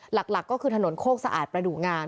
หลักก็คือถนนโคกสะอาดประดูกงาม